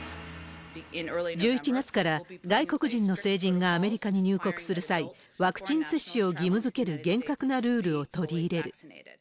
１１月から外国人の成人がアメリカに入国する際、ワクチン接種を義務づける厳格なルールを取り入れる。